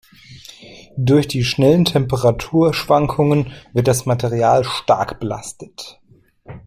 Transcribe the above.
Durch die schnellen Temperaturschwankungen wird das Material stark belastet.